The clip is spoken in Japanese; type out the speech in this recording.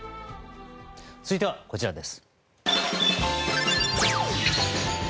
続いてはこちらです。